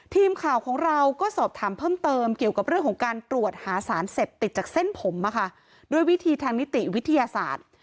ทีมข่าวของเราก็สอบถามเพิ่มเติมเกี่ยวกับเรื่องของการตรวจหาสารเสพติดจากเส้นผมด้วยวิธีทางนิติวิทยาศาสตร์